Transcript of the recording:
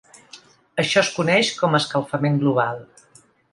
Això es coneix com a escalfament global.